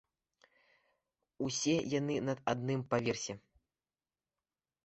Усе яны на адным паверсе.